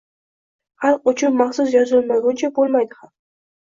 Xalq uchun maxsus yozilmaguncha bo’lmaydi ham.